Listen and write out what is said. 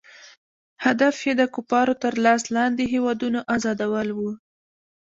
هدف یې د کفارو تر لاس لاندې هیوادونو آزادول وو.